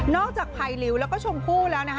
นอกจากไพริวแล้วก็ชมคู่แล้วนะฮะ